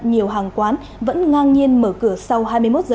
nhiều hàng quán vẫn ngang nhiên mở cửa sau hai mươi một h